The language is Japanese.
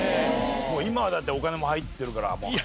今はだってお金も入ってるからもう。